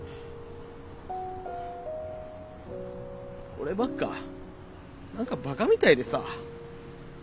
俺ばっか何かバカみたいでさ。